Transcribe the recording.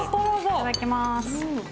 いただきます。